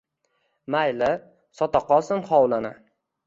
Mayli, sota qolsin hovlini